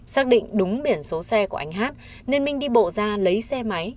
xác định đúng biển số xe của anh hát nên minh đi bộ ra lấy xe máy